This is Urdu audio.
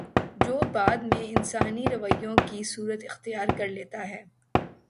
جو بعد میں انسانی رویوں کی صورت اختیار کر لیتا ہے